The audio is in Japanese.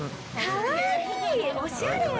おしゃれ。